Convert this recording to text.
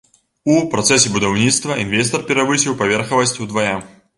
У працэсе будаўніцтва інвестар перавысіў паверхавасць удвая.